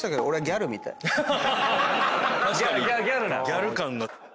ギャル感が。